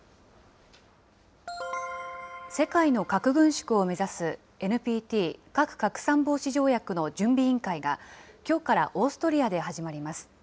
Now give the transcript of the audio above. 世界の核軍縮を目指すＮＰＴ・核拡散防止条約の準備委員会が、きょうからオーストリアで始まります。